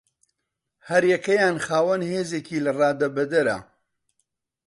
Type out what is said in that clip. هەریەکەیان خاوەن هێزێکی لەرادەبەدەرە